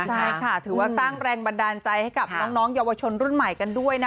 ใช่ค่ะถือว่าสร้างแรงบันดาลใจให้กับน้องเยาวชนรุ่นใหม่กันด้วยนะ